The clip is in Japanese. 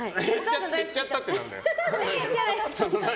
減っちゃったってなんだよ。